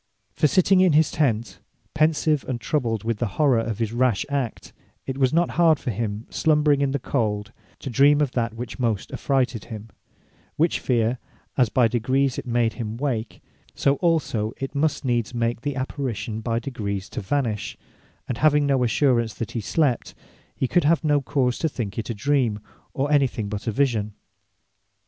For sitting in his tent, pensive and troubled with the horrour of his rash act, it was not hard for him, slumbering in the cold, to dream of that which most affrighted him; which feare, as by degrees it made him wake; so also it must needs make the Apparition by degrees to vanish: And having no assurance that he slept, he could have no cause to think it a Dream, or any thing but a Vision.